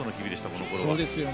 あのころは。